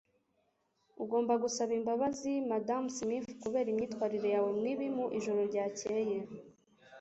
Ugomba gusaba imbabazi Madamu Smith kubera imyitwarire yawe mibi mu ijoro ryakeye.